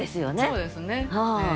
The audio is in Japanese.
そうですねええ。